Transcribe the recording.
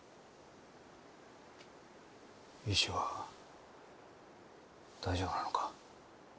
石は大丈夫なのか？